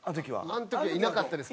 あの時はいなかったです。